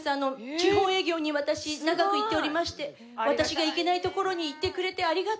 地方営業に私長く行っておりまして「私が行けない所に行ってくれてありがとう」と言ってくださって。